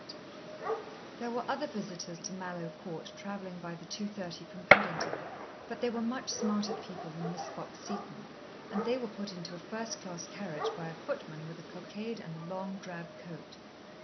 Chapter Two There were other visitors to Mallowe Court travelling by the 2:30 from Paddington, but they were much smarter people than Miss Fox Seton, and they were put into a first class carriage by a footman with a cockade and a long drab coat.